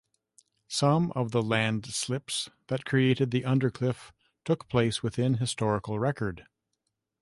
Some of the landslips that created the Undercliff took place within historical record.